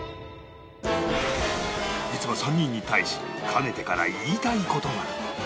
実は３人に対しかねてから言いたい事が